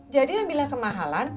jadi yang bilang kemahalan